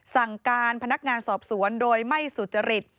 สั่งการพนักงานสอบสวนโดยไม่สุจริต